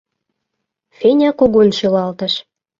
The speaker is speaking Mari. — Феня кугун шӱлалтыш.